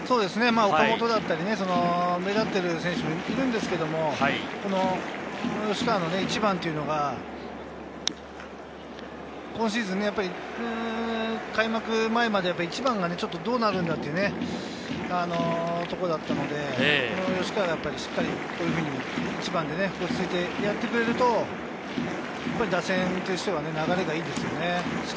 岡本だったり、目立っている選手もいるんですけど、この吉川の１番というのが今シーズン、開幕前まで１番がどうなるんだというところだったので、吉川がしっかり、こういうふうに１番で落ち着いてやってくれると打線としては流れがいいですよね。